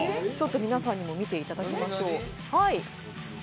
ちょっと皆さんにも見ていただきましょう。